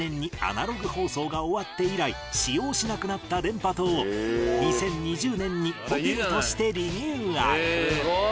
使用しなくなった電波塔を２０２０年にホテルとしてリニューアル